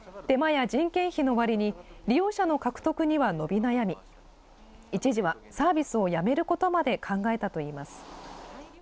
手間や人件費の割に、利用者の獲得には伸び悩み、一時はサービスをやめることまで考えたといいます。